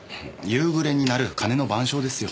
夕暮れに鳴る鐘の『晩鐘』ですよ。